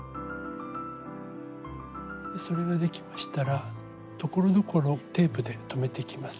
それができましたらところどころテープで留めていきます。